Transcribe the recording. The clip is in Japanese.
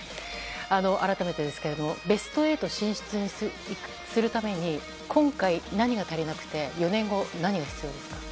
改めてですけれどもベスト８に進出するために今回、何が足りなくて４年後、何が必要ですか？